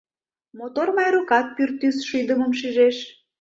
Мотор Майрукат пӱртӱс шӱдымым шижеш.